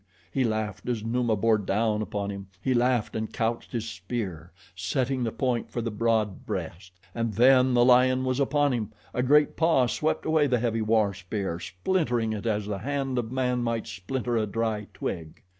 He laughed as Numa bore down upon him; he laughed and couched his spear, setting the point for the broad breast. And then the lion was upon him. A great paw swept away the heavy war spear, splintering it as the hand of man might splinter a dry twig.